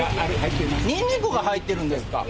ニンニクが入ってるんですか。